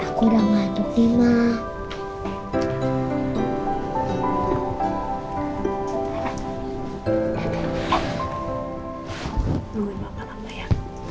aku udah manduk nih ma